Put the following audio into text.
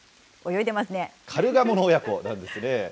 カルガモの親子なんですね。